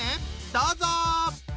どうぞ！